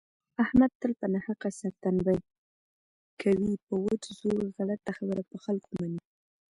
احمد تل په ناحقه سرتنبه کوي په وچ زور غلطه خبره په خلکو مني.